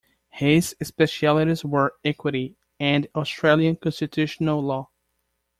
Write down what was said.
His specialities were equity and Australian constitutional law.